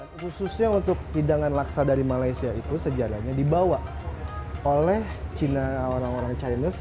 khususnya untuk hidangan laksa dari malaysia itu sejarahnya dibawa oleh china orang orang chinese